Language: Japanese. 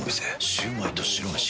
シュウマイと白めし。